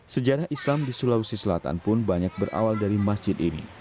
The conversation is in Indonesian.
sejarah islam di sulawesi selatan pun banyak berawal dari masjid ini